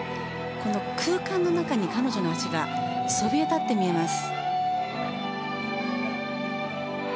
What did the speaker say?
この空間の中に彼女の脚がそびえ立って見えます。